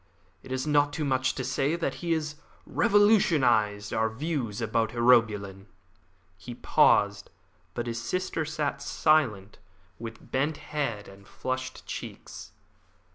It is not too much to say that he has revolutionised our views about urobilin." He paused, but his sister sat silent, with bent head and flushed cheeks.